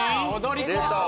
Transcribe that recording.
出た！